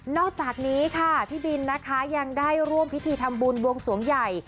อกจากนี้ค่ะพี่บินนะคะยังได้ร่วมพิธีทำบุญบวงสวงใหญ่